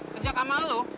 kejak sama lo